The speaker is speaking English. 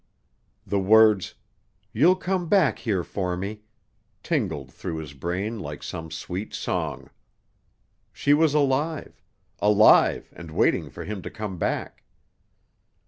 The words, "You'll come back here for me," tingled through his brain like some sweet song. She was alive alive and waiting for him to come back.